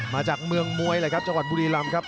มาจากเมืองมวยเลยครับจังหวัดบุรีรำครับ